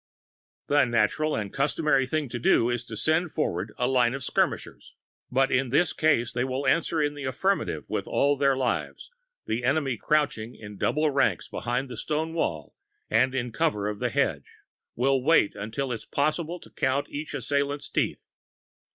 The natural and customary thing to do is to send forward a line of skirmishers. But in this case they will answer in the affirmative with all their lives; the enemy, crouching in double ranks behind the stone wall and in cover of the hedge, will wait until it is possible to count each assailant's teeth.